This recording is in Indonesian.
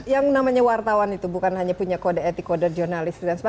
yang namanya wartawan itu bukan hanya punya kode etik kode jurnalistik